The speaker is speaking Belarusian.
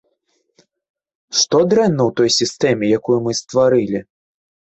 Што дрэнна ў той сістэме, якую мы стварылі?